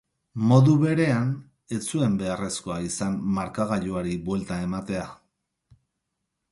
Modu berean, ez zuen beharrezkoa izan markagailuari buelta ematea.